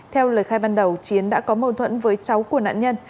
theo lời khai ban đầu chiến đã có mâu thuẫn với cháu của nạn nhân